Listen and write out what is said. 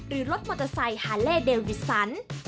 รถมอเตอร์ไซค์ฮาเล่เดวิสัน